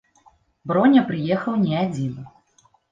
Броня прыехаў не адзін.